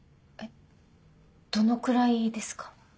えっどのくらいですか？